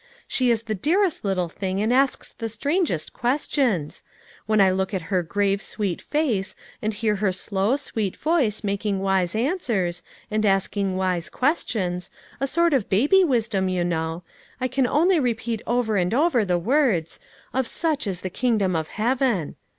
She is the dearest little thing, and asks the strangest questions ! When I look at her grave, sweet face, and hear her slow, sweet voice making wise answers, and asking wise questions, a sort of baby wisdom, you know, I can only repeat over and over the words :"' Of such is the kingdom of heaven.'